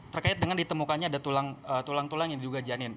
terkait dengan ditemukannya ada tulang tulang yang diduga janin